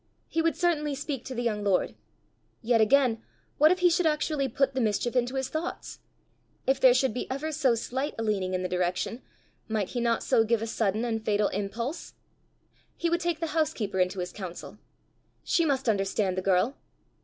He would certainly speak to the young lord! Yet again, what if he should actually put the mischief into his thoughts! If there should be ever so slight a leaning in the direction, might he not so give a sudden and fatal impulse? He would take the housekeeper into his counsel! She must understand the girl!